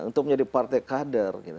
untuk menjadi partai kader